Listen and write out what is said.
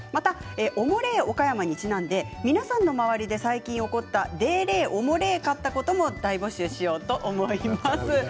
おもれえ岡山にちなんで皆さんのも周りで最近起こったでえれえおもれえかったことも大募集しようと思います。